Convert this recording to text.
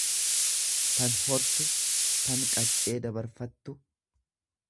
tan hortu, tan qaccee dabarfattu.